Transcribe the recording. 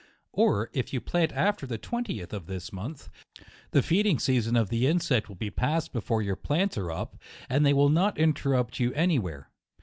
Or, if you plant after the 20th of this month, the feeding season of the insect will be past before your plants are Xjp, and they will not interrupt you any where.